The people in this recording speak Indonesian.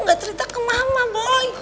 gak cerita ke mama boy